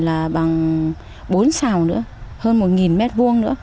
cây này là bằng bốn xào nữa hơn một m hai nữa